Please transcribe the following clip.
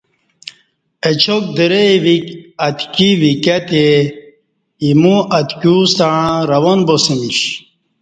اچاک درئ وِیک اتکی وِکیہ تئے اِیمو اتکیوستݩع روان باسمیش۔